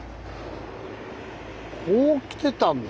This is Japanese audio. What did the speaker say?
こうきてたんだ。